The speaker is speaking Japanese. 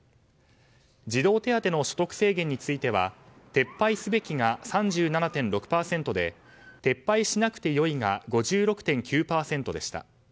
児童手当の所得制限については「撤廃すべき」が３７．６％で「撤廃しなくてよい」が５６．９％でした。